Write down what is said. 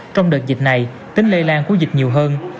trong đợt dịch này tính lây lan của dịch nhiều hơn